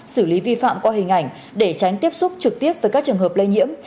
xử lý vi phạm qua hình ảnh để tránh tiếp xúc trực tiếp với các trường hợp lây nhiễm